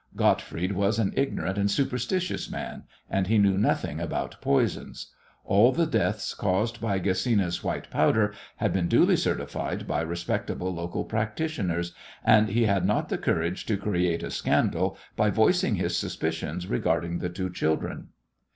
Gottfried was an ignorant and superstitious man, and he knew nothing about poisons. All the deaths caused by Gesina's "white powder" had been duly certified by respectable local practitioners, and he had not the courage to create a scandal by voicing his suspicions regarding the two children.